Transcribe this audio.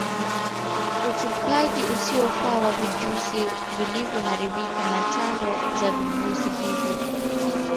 Utupaji usiofaa wa vijusi vilivyoharibika na tando za vijusi hivyo